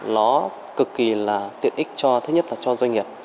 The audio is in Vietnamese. nó cực kỳ là tiện ích cho thứ nhất là cho doanh nghiệp